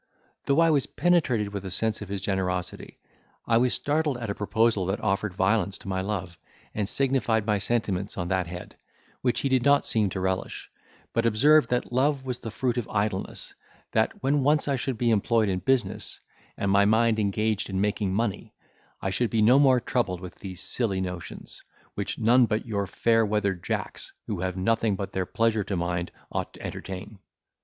Though I was penetrated with a sense of his generosity, l was startled at a proposal that offered violence to my love, and signified my sentiments on that head, which he did not seem to relish; but observed that love was the fruit of idleness, that when once I should be employed in business, and my mind engaged in making money, I should be no more troubled with these silly notions, which none but your fair weathered Jacks, who have nothing but their pleasure to mind, ought to entertain.